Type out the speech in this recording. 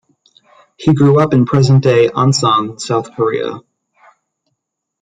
He grew up in present-day Ansan, South Korea.